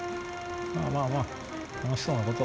まあまあまあ楽しそうなこと。